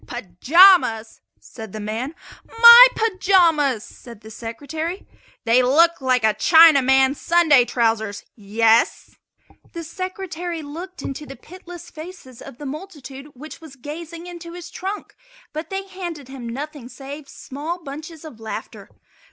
"Pajamas!" said the man. "My pajamas!" said the Secretary. "They look like a Chinaman's Sunday trousers yes?" The Secretary looked into the pitiless faces of the multitude which was gazing into his trunk, but they handed him nothing save small bunches of laughter.